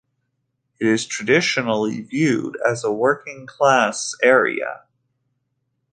It is traditionally viewed as a working class area.